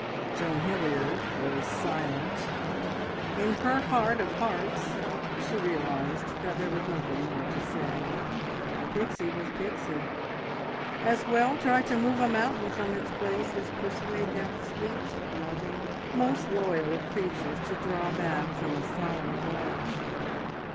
Joan Hilliard was silent. In her heart of hearts she realised that there was nothing more to say. Pixie was Pixie. As well try to move a mountain from its place, as persuade that sweet, loving, most loyal of creatures to draw back from a solemn pledge.